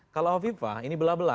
kalau hovipa ini bela bela